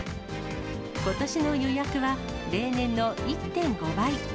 ことしの予約は、例年の１．５倍。